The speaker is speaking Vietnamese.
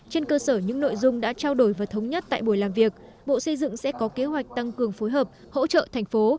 trên cơ sở những nội dung đã trao đổi và thống nhất tại buổi làm việc bộ xây dựng sẽ có kế hoạch tăng cường phối hợp hỗ trợ thành phố